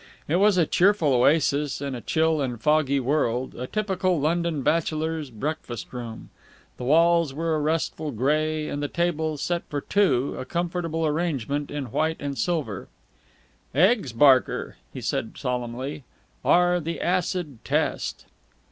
It was a cheerful oasis in a chill and foggy world, a typical London bachelor's breakfast room. The walls were a restful grey, and the table, set for two, a comfortable arrangement in white and silver. "Eggs, Barker," said Freddie solemnly, "are the acid test!"